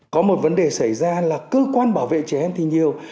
có một vấn đề xảy ra là cơ quan bảo vệ trẻ em thì nhiều